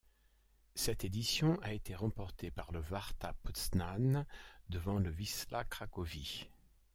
Cette édition a été remportée par le Warta Poznań, devant le Wisła Cracovie.